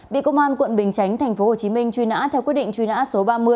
bị công an quận bình chánh tp hcm truy nã theo quyết định truy nã số ba mươi